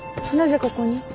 なぜここに？